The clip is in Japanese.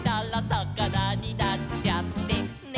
「さかなになっちゃってね」